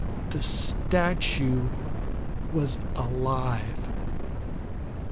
The statue was alive!